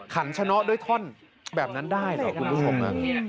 ขันชะเนาะด้วยท่อนแบบนั้นได้เหรอคุณผู้ชม